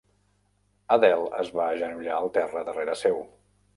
Adele es va agenollar al terra darrere seu.